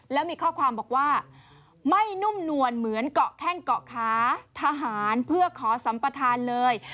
แล้วมีข้อความบอกว่าไม่นุ่มนวลเหมือนเกาะแข้งเกาะขาทหารเพื่อขอสัมปทานเลย